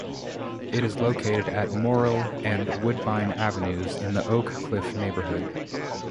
It is located at Morrell and Woodbine Avenues in the Oak Cliff neighborhood.